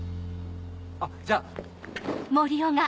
あっじゃあ。